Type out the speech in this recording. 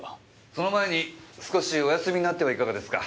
その前に少しお休みになってはいかがですか？